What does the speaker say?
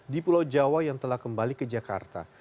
di pulau jawa yang telah kembali ke jakarta